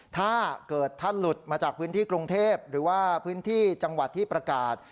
ถ้าเกิดท่านหลุดมาจากพื้นที่กรุงเทพหรือว่าพื้นที่จังหวัดที่ประกาศ